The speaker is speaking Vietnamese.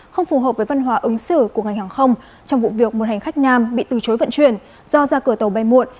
không phù hợp với văn hóa ứng xử của ngành hàng không trong vụ việc một hành khách nam bị từ chối vận chuyển do ra cửa tàu bay muộn